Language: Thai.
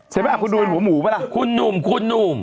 ใช่ไหมคุณดูเป็นหัวหมูไหมล่ะคุณหนุ่ม